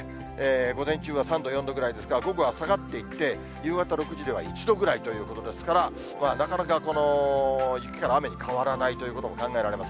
午前中は３度、４度ぐらいですが、午後は下がっていって、夕方６時では１度ぐらいということですから、なかなか雪から雨に変わらないということも考えられます。